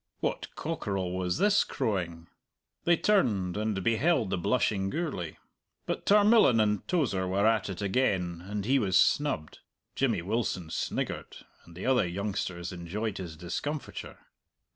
What cockerel was this crowing? They turned, and beheld the blushing Gourlay. But Tarmillan and Tozer were at it again, and he was snubbed. Jimmy Wilson sniggered, and the other youngsters enjoyed his discomfiture.